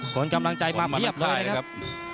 คนกำลังใจมาเพียบเลยครับ